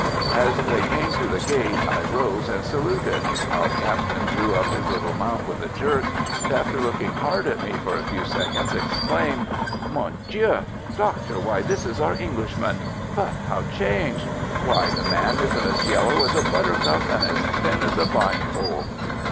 As they came through the gate I rose and saluted. Our Captain drew up his little mount with a jerk, and after looking hard at me for a few seconds, exclaimed: "Mon Dieu! Doctor, why, this is our Englishman. But how changed! Why, the man is as yellow as a buttercup, and as thin as a vine pole."